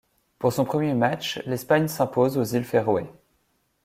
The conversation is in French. Pour son premier match, l'Espagne s'impose aux Îles Féroé.